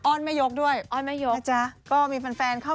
ออนม้ายกด้วยออนม้อยกนะจ๊ะก็มีแฟนเข้ามาร่วมแสดง